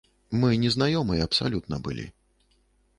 Мы не знаёмыя абсалютна былі.